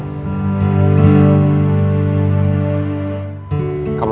aku mau jadi pacar kamu